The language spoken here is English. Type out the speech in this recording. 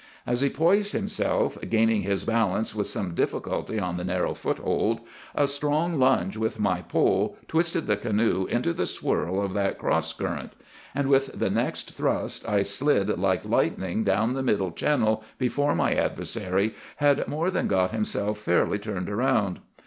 As he poised himself, gaining his balance with some difficulty on the narrow foothold, a strong lunge with my pole twisted the canoe into the swirl of that cross current; and with the next thrust I slid like lightning down the middle channel before my adversary had more than got himself fairly turned around!